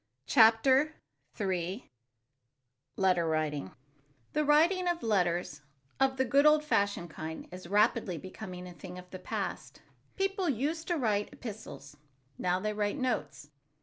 CHAPTER III LETTER WRITING THE writing of letters, of the good old fashioned kind, is rapidly becoming a thing of the past. People used to write epistles. Now they write notes.